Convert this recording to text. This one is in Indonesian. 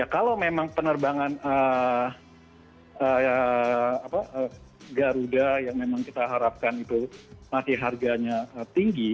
kalau memang penerbangan garuda yang memang kita harapkan itu masih harganya tinggi